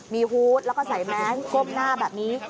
มีฮูบและใส่แม็คกรอกหน้าแบบนี้